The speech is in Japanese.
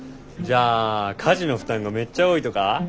じゃあ家事の負担がめっちゃ多いとか？